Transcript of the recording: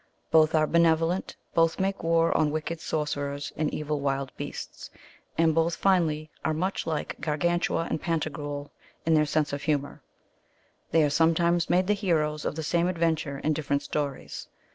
Both are benevolent, both make war on wicked sorcerers and evil wild beasts, and both, finally, are much like Gargantua and Pantagruel in their sense of humor. They are sometimes made the heroes of the same adventure in different stories.